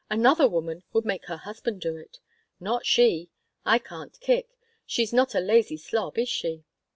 "Another woman would make her husband do it. Not she. I can't kick. She is not a lazy slob, is she?"